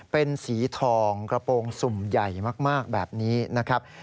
เป็นสีทองกระโปรงสุ่มใหญ่มากแบบนี้นะครับ